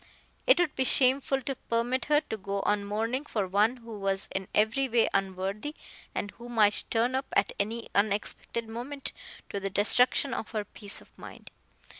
It would be shameful to permit her to go on mourning for one who was in every way unworthy, and who might turn up at any unexpected moment to the destruction of her peace of mind.